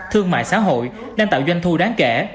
thương mại xã hội đang tạo doanh thu đáng kể